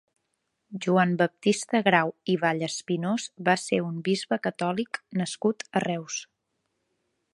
Joan Baptista Grau i Vallespinós va ser un bisbe catòlic nascut a Reus.